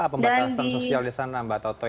apa pembatasan sosial di sana mbak totoy